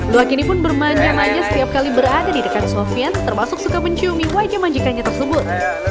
luak ini pun bermanja manja setiap kali berada di dekat sofian termasuk suka menciumi wajah majikannya tersebut